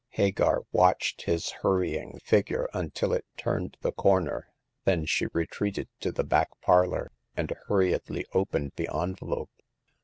Hagar watched his hurrying figure until it turned the corner ; then she retreated to the back parlor, and hurriedly opened the envel ope.